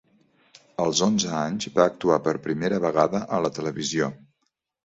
Als onze anys, va actuar per primera vegada a la televisió.